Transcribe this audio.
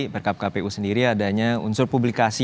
perkap kpu sendiri adanya unsur publikasi